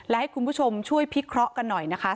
และให้คุณผู้ชมช่วยพิเคราะห์กันหน่อยนะคะ